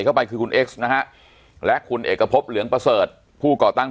เข้าไปคือคุณเอ็กซ์นะฮะและคุณเอกพบเหลืองประเสริฐผู้ก่อตั้ง